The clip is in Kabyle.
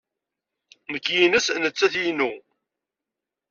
Nekk ines nettat inu.